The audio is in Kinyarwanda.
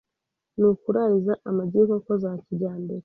ni ukurariza amagi y’inkoko za kijyambere